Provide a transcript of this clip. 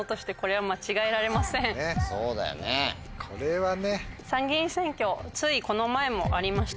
これはね。